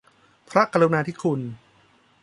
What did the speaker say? พระกรุณาธิคุณ